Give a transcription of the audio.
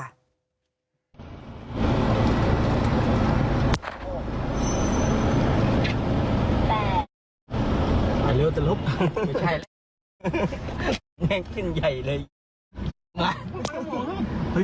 แน่งขึ้นใหญ่เลย